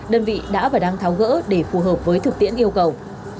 đơn vị đã và đang tháo gỡ để phù hợp với thực tiễn yêu cầu